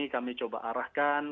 kami coba arahkan